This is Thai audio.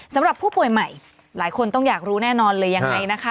สำหรับผู้ป่วยใหม่หลายคนต้องอยากรู้แน่นอนเลยยังไงนะคะ